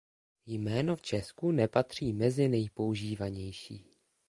Jméno v Česku nepatří mezi nejpoužívanější.